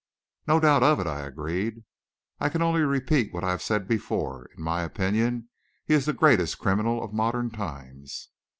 "No doubt of it," I agreed. "I can only repeat what I have said before in my opinion, he is the greatest criminal of modern times."